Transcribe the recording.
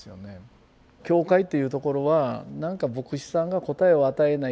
教会っていうところはなんか牧師さんが答えを与えない